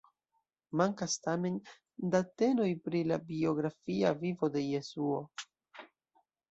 Mankas, tamen, datenoj pri la biografia vivo de Jesuo.